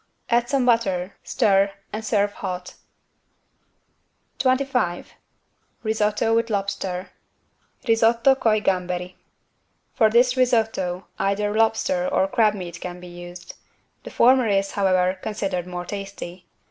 Add some butter, stir and serve hot. 25 RISOTTO WITH LOBSTER (Risotto coi gamberi) For this risotto either lobster or crab meat can be used: the former is, however, considered more tasty.